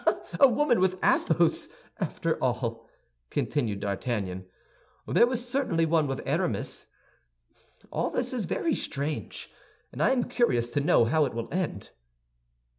A woman with Athos! After all," continued D'Artagnan, "there was certainly one with Aramis. All this is very strange; and I am curious to know how it will end."